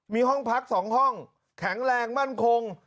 มีห้องพัก๒ห้องแข็งแรงมั่นคง